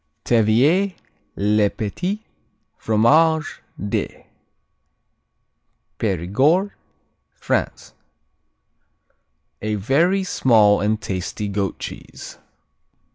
Taiviers, les Petits Fromages de Périgord, France Very small and tasty goat cheese.